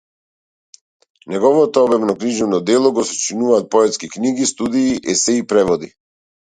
Неговото обемно книжевно дело го сочинуваат поетки книги, студии, есеи, преводи.